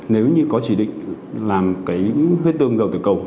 nếu như có chỉ định làm cái huyết tương dầu từ cầu